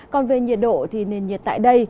còn về nhiệt độ thì nên nhiệt tại đây